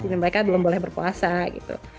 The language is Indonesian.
mereka belum boleh berpuasa gitu